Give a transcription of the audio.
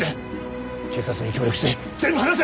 警察に協力して全部話せ！